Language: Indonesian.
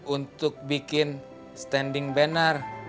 untuk bikin standing banner